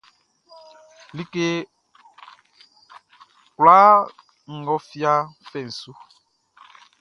Like kloi nʼga fia fai su.